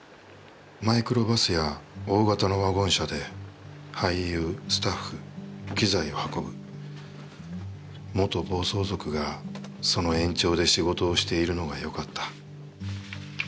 マイクロバスや大型のワゴン車で俳優・スタッフ・機材を運ぶ、元暴走族がその延長で仕事をしているのが良かった。